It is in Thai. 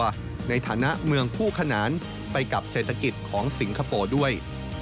ในฐานะเมืองคู่ขนานไปกับเศรษฐกิจของสิงคโปร์ด้วย